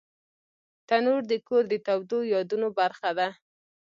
تنور د کور د تودو یادونو برخه ده